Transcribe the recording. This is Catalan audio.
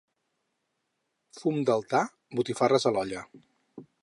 Fum d'altar, botifarres a l'olla.